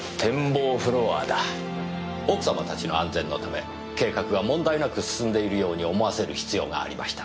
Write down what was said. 奥様たちの安全のため計画は問題なく進んでいるように思わせる必要がありました。